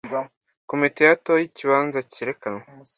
Komite yatoye ikibanza cyerekanwa.